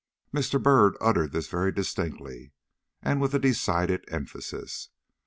Mr. Byrd uttered this very distinctly, and with a decided emphasis.